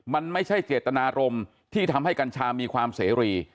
มันไม่ใช่เจตนารมณ์ที่ทำให้กัญชามีความเสรี